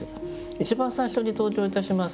一番最初に登場いたします